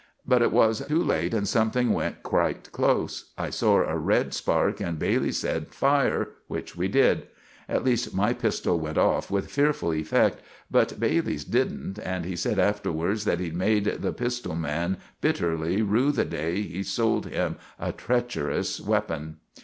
But it was to late, and something went quite close. I sore a red spark, and Bailey sed, "Fire!" which we did. At leest my pistell went off with fereful effect; but Bailey's didn't, and he sed afterwards that he'd make the pistell man biterly rew the day he sold him a treecherous weppon.